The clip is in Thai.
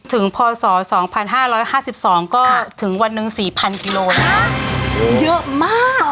พศ๒๕๕๒ก็ถึงวันหนึ่ง๔๐๐กิโลนะเยอะมาก